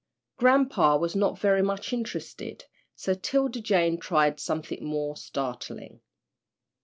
'" Grampa was not very much interested, so 'Tilda Jane tried something more startling.